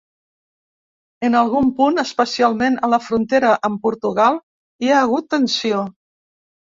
En algun punt, especialment a la frontera amb Portugal, hi ha hagut tensió.